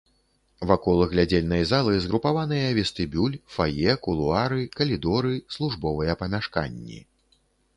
Вакол глядзельнай залы згрупаваныя вестыбюль, фае, кулуары, калідоры, службовыя памяшканні.